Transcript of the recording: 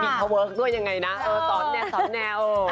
มันมีทาเวิร์คด้วยยังไงนะสอนแนว